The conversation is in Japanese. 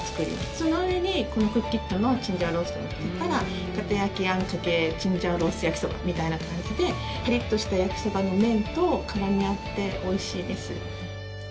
その上に、このＣｏｏＫｉｔのチンジャオロースを乗せたらかた焼きあんかけチンジャオロース焼きそばみたいな感じでパリッとした焼きそばの麺と絡み合って、おいしいです。